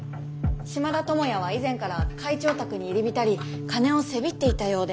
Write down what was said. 島田友也は以前から会長宅に入り浸り金をせびっていたようで。